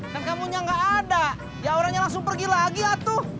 kan kamu nya gak ada ya orangnya langsung pergi lagi ya tuh